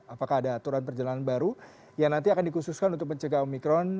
apakah ada aturan perjalanan baru yang nanti akan dikhususkan untuk mencegah omikron